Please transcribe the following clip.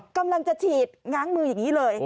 กำลังจะฉีดง้างมืออย่างนี้เลย